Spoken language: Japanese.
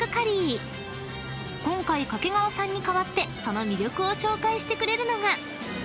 ［今回掛川さんに代わってその魅力を紹介してくれるのが］